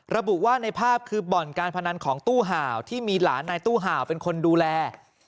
ระบุว่าในภาพคือบ่อนการพนันของตู้ห่าวที่มีหลานนายตู้ห่าวเป็นคนดูแล